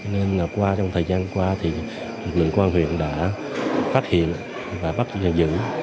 nên qua trong thời gian qua thì lực lượng công an huyện đã phát hiện và bắt giữ